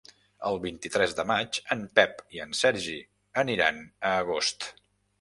El vint-i-tres de maig en Pep i en Sergi aniran a Agost.